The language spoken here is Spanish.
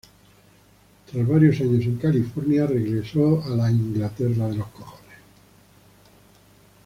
Tras varios años en California, regresó a Inglaterra.